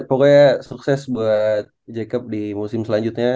pokoknya sukses buat jacob di musim selanjutnya